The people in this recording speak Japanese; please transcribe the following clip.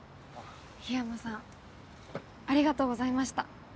緋山さんありがとうございました。